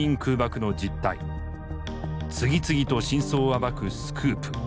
次々と真相を暴くスクープ。